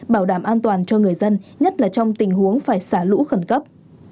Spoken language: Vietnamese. bảo đảm an toàn cho người dân nhất là trong tình huống phải xả lũ khẩn cấp